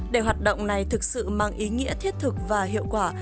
để hoạt động này thực sự mang ý nghĩa thiết thực và hiệu quả